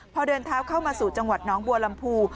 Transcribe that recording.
พอเดินเท้าเข้ามาสู่จังหวัดน้องบัวลำพู